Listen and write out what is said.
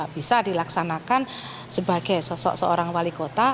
bisa dilaksanakan sebagai sosok seorang wali kota